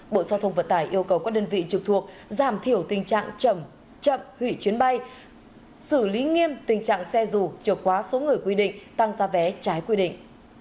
bộ giao thông vận tải yêu cầu các đơn vị trực thuộc giảm thiểu tình trạng chậm hủy chuyến bay xử lý nghiêm tình trạng xe dù trở quá số người quy định tăng ra vé trái quy định